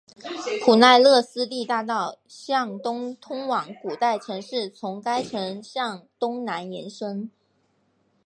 普奈勒斯蒂大道向东通往古代城市从该城向东南延伸。